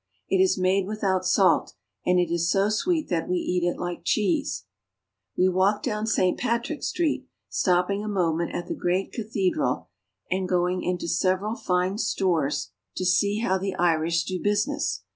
It is made without salt, and it is so sweet that we eat it like cheese. We walk down St. Patrick Street, stopping a moment at the great cathedral and going into several fine stores to 22 IRELAND. We walk down St. Patrick Street.' see how the Irish do business.